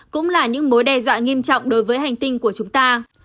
cũng là những mối đe dọa nghiêm trọng đối với hành tinh của chúng ta